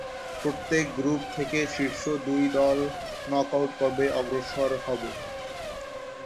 প্রত্যেক গ্রুপ থেকে শীর্ষ দুই দল নক-আউট পর্বে অগ্রসর হবে।